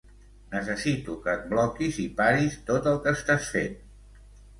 Necessito que et bloquis i paris tot el que estàs fent.